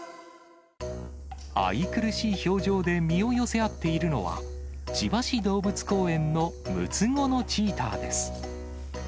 愛くるしい表情で身を寄せ合っているのは、千葉市動物公園の６つ子のチーターです。